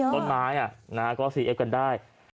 ต้นไม้ก็ซีเอฟกันได้